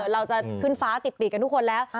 เราจะขึ้นฟ้าติดปีกกันทุกคนแล้ว